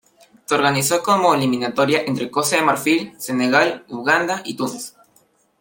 Se organizó como eliminatoria entre Costa de Marfil, Senegal, Uganda y Túnez.